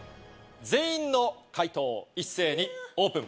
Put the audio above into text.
全員の解答を一斉にオープン。